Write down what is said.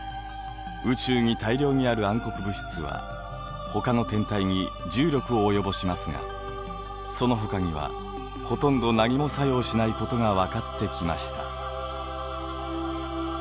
宇宙に大量にある暗黒物質はほかの天体に重力を及ぼしますがそのほかにはほとんど何も作用しないことが分かってきました。